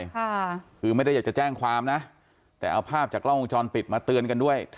ค่ะคือไม่ได้อยากจะแจ้งความนะแต่เอาภาพจากกล้องวงจรปิดมาเตือนกันด้วย